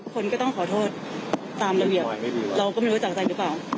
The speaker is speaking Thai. คนก็ต้องขอโทษตามระเบียบเราก็ไม่รู้จากใจหรือเปล่า